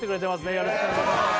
よろしくお願いします